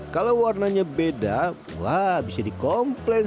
kalau warnanya beda wah bisa dikomplain